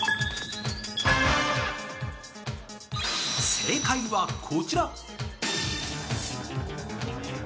正解はこちら！